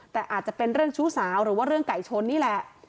แต่อาจจะเป็นเรื่องชู้สาวหรือว่าเรื่องไก่ชนนี่แหละ